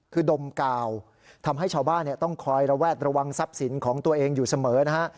คือดมกาวทำให้ชาวบ้านต้องคอยระแวดระวังทรัพย์สินของตัวเองอยู่เสมอนะฮะ